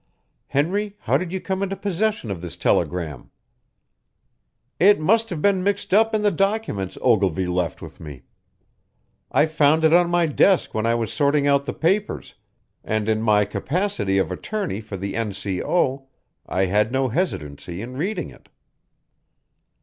Henry, how did you come into possession of this telegram?" "It must have been mixed up in the documents Ogilvy left with me. I found it on my desk when I was sorting out the papers, and in my capacity of attorney for the N.C.O. I had no hesitancy in reading it."